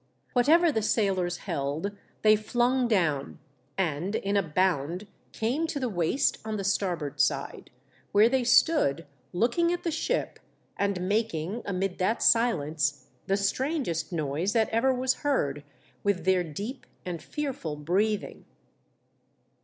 Whatever the sailors held they flung down, and, in a bound, came to the waist on the starboard side, where they stood, looking at the ship and making, amid that silence, the strangest noise that ever was heard with their deep and fearful breathing.